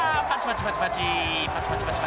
パチパチパチパチ。